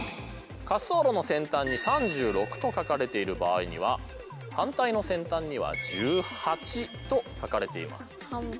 滑走路の先端に「３６」と書かれている場合には反対の先端には「１８」と書かれています。